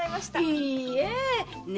いいえ！ね？